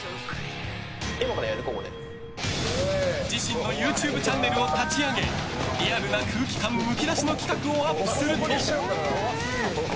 自身のＹｏｕＴｕｂｅチャンネルを立ち上げリアルな空気感むき出しの企画をアップすると。